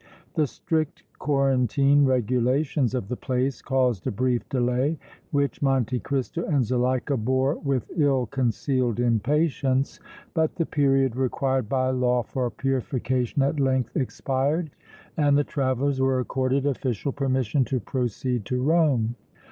The strict quarantine regulations of the place caused a brief delay, which Monte Cristo and Zuleika bore with ill concealed impatience, but the period required by law for purification at length expired and the travelers were accorded official permission to proceed to Rome.